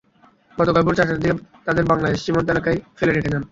গতকাল ভোর চারটার দিকে তাঁদের বাংলাদেশ সীমান্ত এলাকায় ফেলে রেখে যান।